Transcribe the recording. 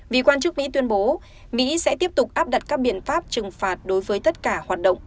vì quan chức mỹ tuyên bố mỹ sẽ tiếp tục áp đặt các biện pháp trừng phạt đối với tất cả hoạt động